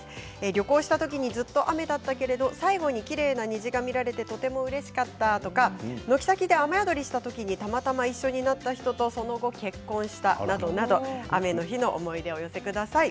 旅行したときにずっと雨だったけれども最後にきれいな虹が見られてうれしかったとか軒先で雨宿りしたときにたまたま一緒になった人とその後結婚したなどなど雨の日の思い出をお寄せください。